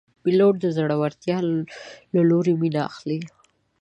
پیلوټ د زړورتیا له لورې مینه اخلي.